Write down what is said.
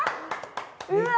うわ！